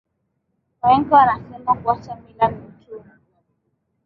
Wahenga wanasema muacha mila ni mtumwa